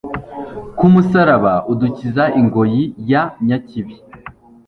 ku musaraba udukiza ingoyi ya nyakibi